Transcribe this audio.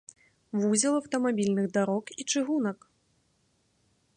Вузел аўтамабільных дарог і чыгунак.